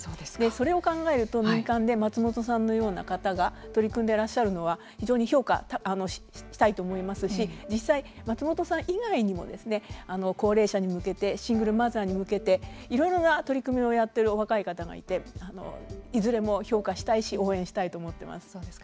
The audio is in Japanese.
それを考えると民間で松本さんのような方が取り組んでらっしゃるのは非常に評価したいと思いますし実際松本さん以外にも高齢者に向けてシングルマザーに向けていろいろな取り組みをやっているお若い方がいていずれも評価したいし応援したいと思っています。